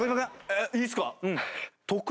えっいいっすか？